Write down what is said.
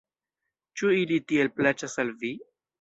Ĉu ili tiel plaĉas al vi?